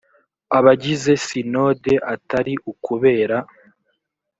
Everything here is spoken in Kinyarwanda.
abagize sinode atari ukubera